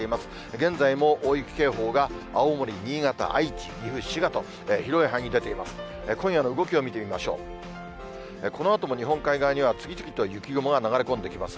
現在も大雪警報が青森、新潟、愛知、岐阜、滋賀と広い範囲に出ています。